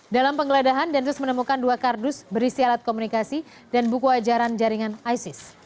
dalam penggeledahan densus menemukan dua kardus berisi alat komunikasi dan buku ajaran jaringan isis